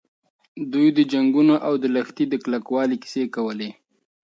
دوی د جنګونو او د لښتې د کلکوالي کیسې کولې.